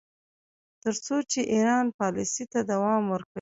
تر څو چې ایران پالیسۍ ته دوام ورکوي.